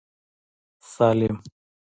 سالم.